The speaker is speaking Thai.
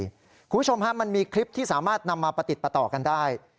คุณผู้ชมฮะมันมีคลิปที่สามารถนำมาประติดประต่อกันได้